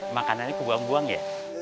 makannya kebuang buang ya